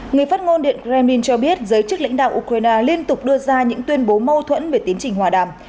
người phát ngôn điện kremlin cho biết giới chức lãnh đạo ukraine liên tục đưa ra những tuyên bố mâu thuẫn về tiến trình hòa đàm